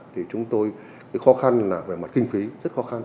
thì chúng tôi cái khó khăn là về mặt kinh phí rất khó khăn